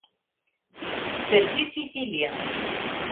Tessers-itt i tili.